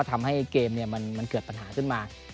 ทำให้เกมมันเกิดปัญหาขึ้นมา